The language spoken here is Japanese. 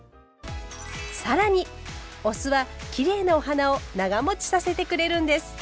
更にお酢はきれいなお花を長もちさせてくれるんです。